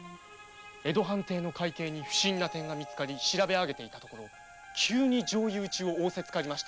江戸藩邸の会計に不審な点が見つかり調べていたところ急に上意討ちを仰せつかりました。